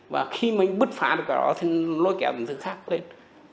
và khi mình bứt phá được cái đó thì lôi kẹo mình dựng khác lên